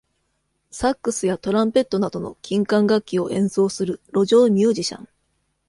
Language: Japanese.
サックスやトランペットなどの金管楽器を演奏する路上ミュージシャン。